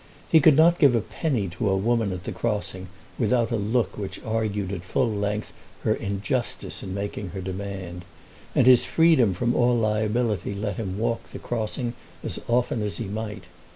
He could not give a penny to a woman at a crossing without a look which argued at full length her injustice in making her demand, and his freedom from all liability let him walk the crossing as often as he might.